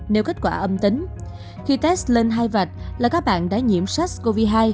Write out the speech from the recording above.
nếu kết quả âm tính khi test lên hai vạch là các bạn đã nhiễm sars cov hai